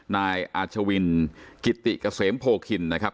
นายอาชวินกิติเกษมโพคินนะครับ